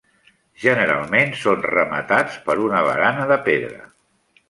Generalment són rematats per una barana de pedra.